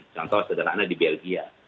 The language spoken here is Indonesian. contoh sederhana di belgia